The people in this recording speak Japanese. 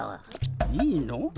いいの？